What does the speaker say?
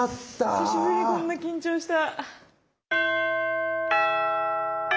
久しぶりにこんな緊張した。